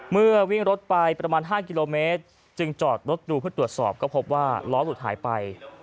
วิ่งรถไปประมาณ๕กิโลเมตรจึงจอดรถดูเพื่อตรวจสอบก็พบว่าล้อหลุดหายไป